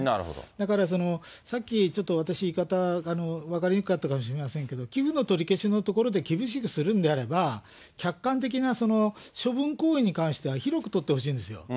だからさっきちょっと私言い方分かりにくかったかもしれませんけれども、寄付の取り消しのところで厳しくするのであれば、客観的な処分行為に関しては広く取ってほしいんですよ。